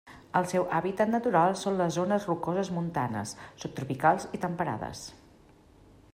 El seu hàbitat natural són les zones rocoses montanes subtropicals i temperades.